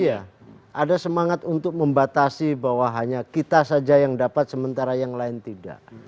iya ada semangat untuk membatasi bahwa hanya kita saja yang dapat sementara yang lain tidak